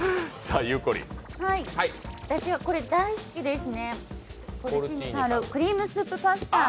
私はこれ大好きですね、クリームスープパスタ。